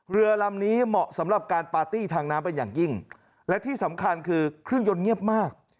เรือลำนี้เหมาะสำหรับการปาร์ตี้ทางน้ำเป็นอย่างยิ่งและที่สำคัญคือเครื่องยนต์เงียบมาก